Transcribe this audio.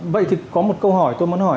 vậy thì có một câu hỏi tôi muốn hỏi